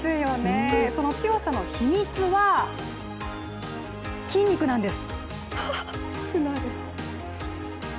その強さの秘密は、筋肉なんです。